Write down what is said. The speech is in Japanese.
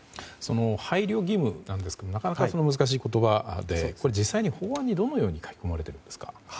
配慮義務ですがなかなか難しい言葉で実際に法案にどのように書き込まれてるんですか？